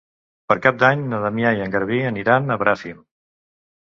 Per Cap d'Any na Damià i en Garbí aniran a Bràfim.